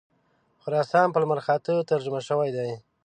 خراسان په لمرخاته ترجمه شوی دی.